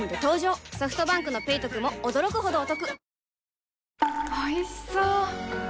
ソフトバンクの「ペイトク」も驚くほどおトク